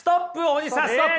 大西さんストップ。